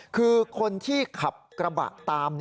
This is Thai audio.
คือคนที่ขับกระบะตาม